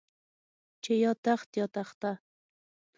چې يا تخت يا تخته.